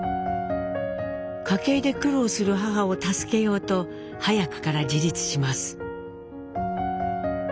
家計で苦労する母を助けようと早くから自立します。